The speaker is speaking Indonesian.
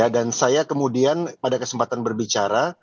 dan saya kemudian pada kesempatan berbicara